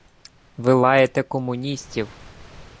Ви лаєте комуністів